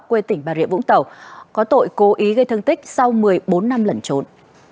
quê tỉnh bà rịa vũng tàu có tội cố ý gây thương tích sau một mươi bốn năm lẩn trốn